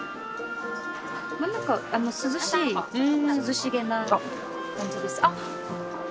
まあ何か涼しい涼しげな感じですあっ